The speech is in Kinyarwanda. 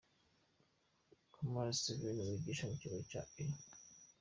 Kamali Steve wigisha ku kigo cya E.